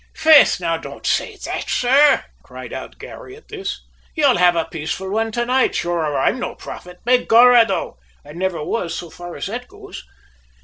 "Faith, don't say that now, sir," cried out Garry at this. "You'll have a peaceful one to night, sure, or I'm no prophet. Begorrah, though, I niver was, so far as that goes!"